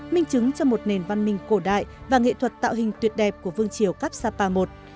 minh chứng cho một nền văn minh cổ đại và nghệ thuật tạo hình tuyệt đẹp của vương triều kapsapa i